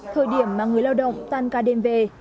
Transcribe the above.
thời điểm mà người lao động tan ca đêm về